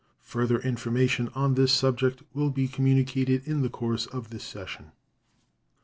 Further information on this subject will be communicated in the course of the session.